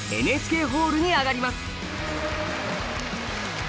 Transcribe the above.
ＮＨＫホールに上がります！